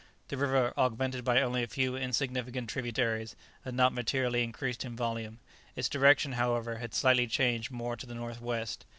The river, augmented by only a few insignificant tributaries, had not materially increased in volume; its direction, however, had slightly changed more to the north west.